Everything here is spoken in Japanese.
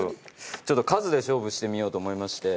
ちょっと数で勝負してみようと思いまして。